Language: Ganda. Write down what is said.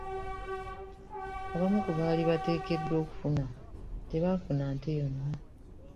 Abamu ku baali bateekeddwa okufuna tebaafuna nte yonna.